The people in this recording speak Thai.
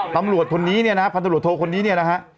ธรรมหลวดคนนี้นะฮะธรรมหลวดโทรคนนี้นะฮะ